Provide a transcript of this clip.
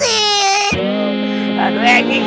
aduh ya gigi jangan pergi